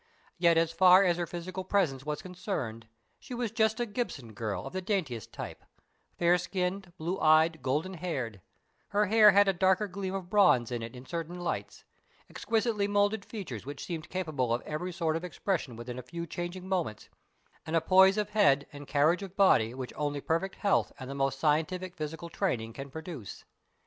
Yet as far as her physical presence was concerned, she was just a "Gibson Girl" of the daintiest type fair skinned, blue eyed, golden haired her hair had a darker gleam of bronze in it in certain lights exquisitely moulded features which seemed capable of every sort of expression within a few changing moments, and a poise of head and carriage of body which only perfect health and the most scientific physical training can produce.